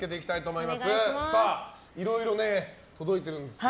いろいろね、届いてるんですよ。